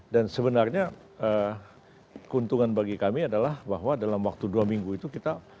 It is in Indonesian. dan sebenarnya keuntungan bagi kami adalah bahwa dalam waktu dua minggu itu kita